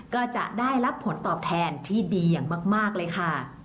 ก็จะได้รับผลตอบแทนที่ดีอย่างมากเลยค่ะ